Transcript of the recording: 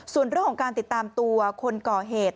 ส่วนเรื่องของการติดตามตัวคนก่อเหตุ